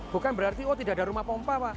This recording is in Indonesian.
bukan berarti tidak ada rumah pompa